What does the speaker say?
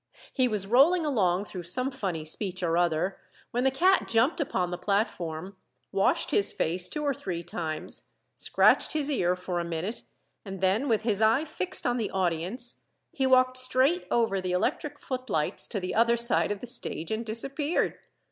He was rolling along through some funny speech or other, when the cat jumped upon the platform, washed his face two or three times, scratched his ear for a minute, and then with his eye fixed on the audience he walked straight over the electric footlights to the other side of the stage and disappeared.